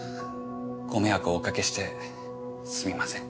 ご迷惑おかけしてすみません。